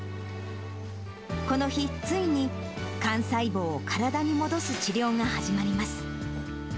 この日、ついに幹細胞を体に戻す治療が始まります。